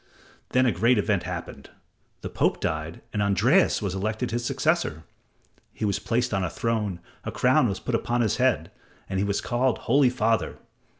Then a great event happened. The Pope died and Andreas was elected his successor. He was placed on a throne, a crown was put upon his head, and he was called Holy Father.